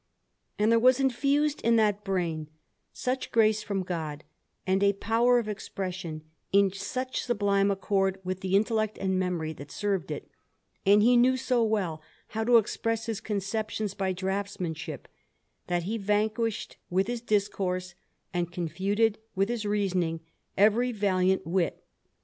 And there was infused in that brain such grace from God, and a power of expression in such sublime accord with the intellect and memory that served it, and he knew so well how to express his conceptions by draughtsmanship, that he vanquished with his discourse, and confuted with his reasoning, every valiant wit.